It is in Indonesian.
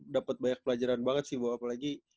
dapet banyak pelajaran banget sih bahwa apalagi